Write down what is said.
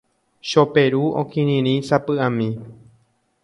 Choperu okirirĩ sapy'ami.